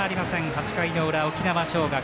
８回の裏、沖縄尚学。